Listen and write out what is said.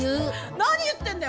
何言ってんだよ